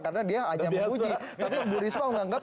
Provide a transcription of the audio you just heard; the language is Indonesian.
karena dia hanya menguji tapi bu risma menganggap